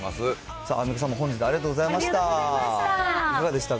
さあ、アンミカさんも本日、ありがとうございました。